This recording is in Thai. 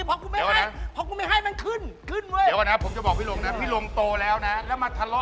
พี่ลงไม่เอาดเท่ารออะไรกันทั้งหน่าโตแล้วนะพี่